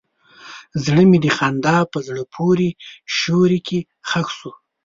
زړه مې د خندا په زړه پورې سیوري کې ښخ شو.